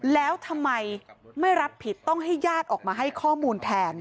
แล้วทำไมไม่รับผิดต้องให้ญาติออกมาให้ข้อมูลแทน